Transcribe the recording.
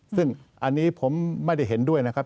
ซึ่งอันนี้ผมไม่ได้เห็นด้วยนะครับ